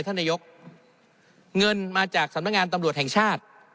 ท่านนายกเงินมาจากสำนักงานตำรวจแห่งชาติ